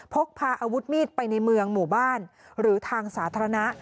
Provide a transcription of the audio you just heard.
พกพาอาวุธมีดไปในเมืองหมู่บ้านหรือทางสาธารณะ